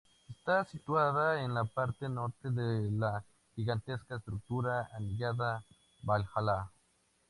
Está situada en la parte norte de la gigantesca estructura anillada Valhalla.